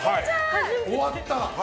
終わった。